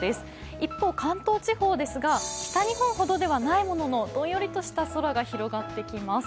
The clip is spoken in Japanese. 一方、関東地方ですが、北日本ほどではないもののどんよりとした空が広がってきます。